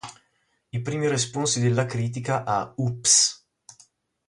I primi responsi della critica a "Oops!...